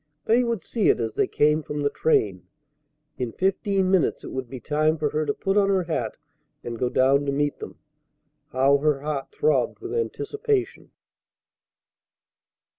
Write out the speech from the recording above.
They would see it as they came from the train. In fifteen minutes it would be time for her to put on her hat and go down to meet them! How her heart throbbed with anticipation!